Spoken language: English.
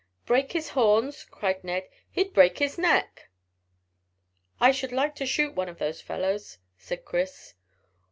"Break his horns!" cried Ned. "He'd break his neck." "I should like to shoot one of those fellows," said Chris.